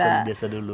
hanya di desa dulu